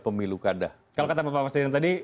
pemilu kada kalau kata pak presiden tadi